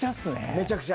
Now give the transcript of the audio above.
めちゃくちゃ。